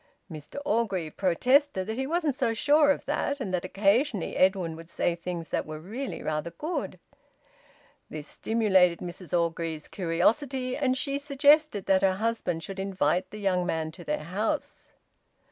Mr Orgreave protested that he wasn't so sure of that, and that occasionally Edwin would say things that were really rather good. This stimulated Mrs Orgreave's curiosity, and she suggested that her husband should invite the young man to their house.